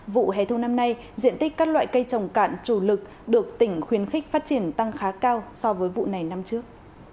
vụ hè thu năm nay diện tích các loại cây trồng cạn chủ lực được tỉnh khuyến khích phát triển tăng khá cao so với vụ này năm trước